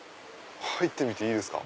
入ってみていいですか？